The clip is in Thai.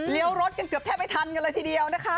รถกันเกือบแทบไม่ทันกันเลยทีเดียวนะคะ